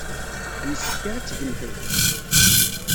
Ur yessefk ara ad tgemt lḥess.